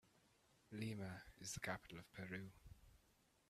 Lima is the capital of Peru.